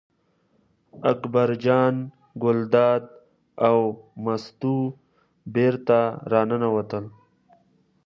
اکبر جان ګلداد او مستو بېرته راننوتل.